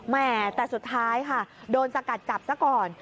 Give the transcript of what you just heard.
แม่แต่สุดท้ายค่ะโดนสกัดจับซะก่อน